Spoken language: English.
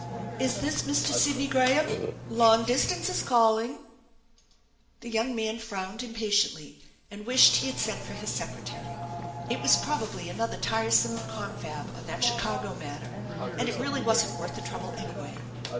" Is this Mr. Sidney Graham ? Long distance is calling !* The young man frowned impatiently and wished he had Bent for his secretary. It was probably another tiresome confab on that Chicago matter, and it really wasn't worth the trouble, anyway.